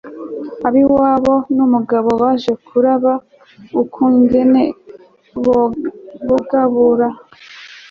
abiwabo numugabo baje kuraba ukungene bogabura